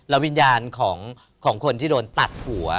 วิญญาณของคนที่โดนตัดหัว